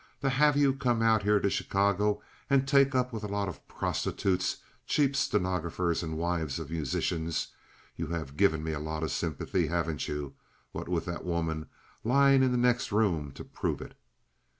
To have you come out here to Chicago and take up with a lot of prostitutes—cheap stenographers and wives of musicians! You have given me a lot of sympathy, haven't you?—with that woman lying in the next room to prove it!"